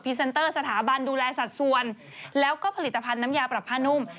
เซนเตอร์สถาบันดูแลสัดส่วนแล้วก็ผลิตภัณฑ์น้ำยาปรับผ้านุ่ม